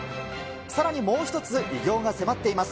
さらにもう一つ、偉業が迫っています。